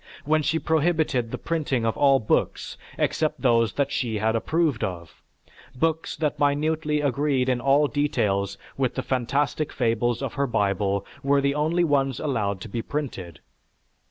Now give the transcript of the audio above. When she prohibited the printing of all books except those that she approved of; books that minutely agreed in all details with the phantastic fables of her Bible were the only ones allowed to be printed.